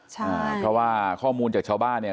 ใช่เพราะว่าข้อมูลจากชาวบ้านเนี่ย